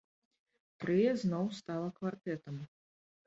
Трыа зноў стала квартэтам.